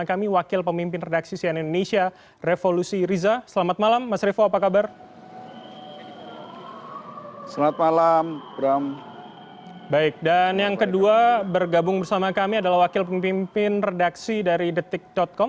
baik dan yang kedua bergabung bersama kami adalah wakil pemimpin redaksi dari detik com